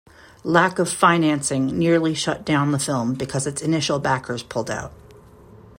Lack of financing nearly shut down the film because its initial backers pulled out.